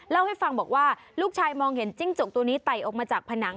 เล่าให้ฟังบอกว่าลูกชายมองเห็นจิ้งจกตัวนี้ไต่ออกมาจากผนัง